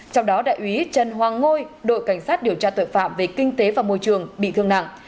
trong đó đại úy trần hoàng ngôi đội cảnh sát điều tra tội phạm về kinh tế và môi trường bị thương nặng